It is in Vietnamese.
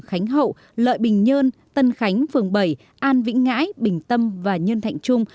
khánh hậu lợi bình nhơn tân khánh phường bảy an vĩnh ngãi bình tâm và nhân thạnh trung